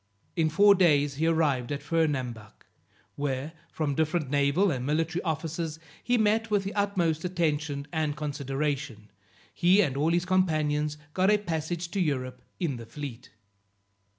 In four days he arrived at Fernambuc, where, from different naval and military officers, he met with the utmost attention and consideration; he and all his companions got a passage to Europe in the fleet.